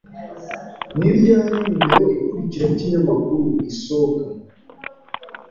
Ni ryari nimero ikurikira y'ikinyamakuru isohoka?